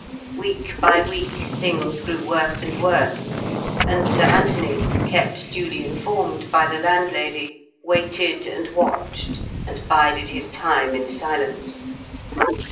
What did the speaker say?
Week by week things grew worse and worse; and Sir Anthony, kept duly informed by the landlady, waited and watched, and bided his time in silence.